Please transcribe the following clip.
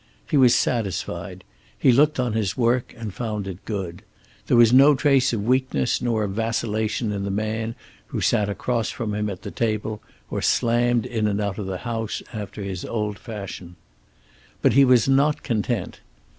He was satisfied. He looked on his work and found it good. There was no trace of weakness nor of vacillation in the man who sat across from him at the table, or slammed in and out of the house after his old fashion. But he was not content.